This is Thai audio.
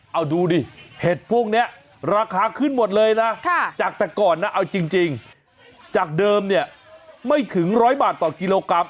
เอาดูดิเห็ดพวกนี้ราคาขึ้นหมดเลยนะจากแต่ก่อนนะเอาจริงจากเดิมเนี่ยไม่ถึง๑๐๐บาทต่อกิโลกรัม